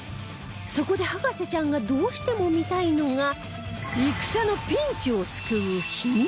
そこで博士ちゃんがどうしても見たいのが戦のピンチを救う秘密の部屋